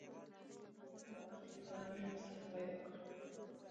د خلکو قناعت لپاره مې مثال پیدا کړ